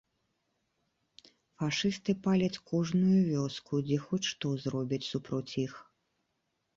Фашысты паляць кожную вёску, дзе хоць што зробяць супроць іх.